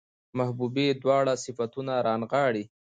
محبوبې دواړه صفتونه رانغاړي